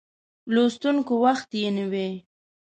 لوستونکو وخت یې نیوی.